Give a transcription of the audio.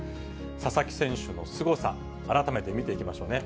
佐々木選手のすごさ、改めて見ていきましょうね。